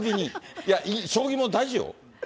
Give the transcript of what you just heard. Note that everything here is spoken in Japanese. いや、将棋も大事よ。